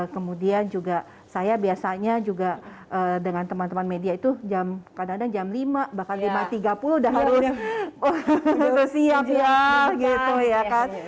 kemudian juga saya biasanya juga dengan teman teman media itu kadang kadang jam lima bahkan lima tiga puluh udah harus siap ya gitu ya kan